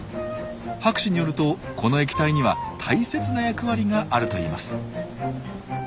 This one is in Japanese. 博士によるとこの液体には大切な役割があるといいます。